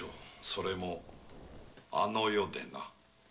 それもあの世で。